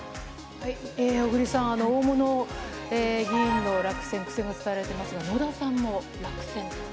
小栗さん、大物議員の落選、注目されてますが、野田さんも落選。